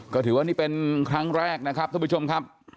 ก็ถือว่านี่เป็นครั้งแรกนะครับท่านผู้ชมครับ